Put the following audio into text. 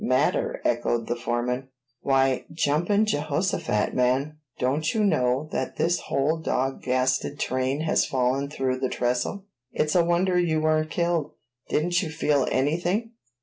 "Matter?" echoed the foreman. "Why, Jumping Jehoshaphat, man! Don't you know that this whole dod gasted train has fallen through the trestle? It's a wonder you weren't killed. Didn't you feel anything?"